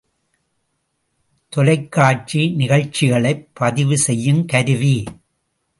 தொலைக்காட்சி நிகழ்ச்சிகளைப் பதிவு செய்யுங் கருவி.